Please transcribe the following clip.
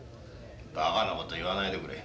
バカなこと言わないでくれ。